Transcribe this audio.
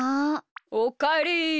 おかえり。